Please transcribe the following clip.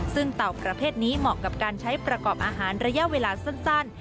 ซึ่งเต่าประเภทนี้เหมาะกับการใช้ประกอบอาหารระยะเวลาสั้น